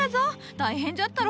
大変じゃったろ。